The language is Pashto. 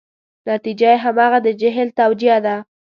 نتیجه یې همغه د جهل توجیه ده.